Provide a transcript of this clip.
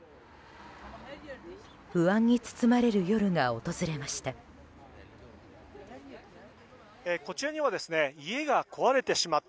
不安に包まれる夜が訪れました。